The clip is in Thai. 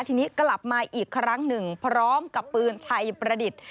ทีนี้กลับมาอีกครั้งหนึ่งพร้อมกับปืนไทยประดิษฐ์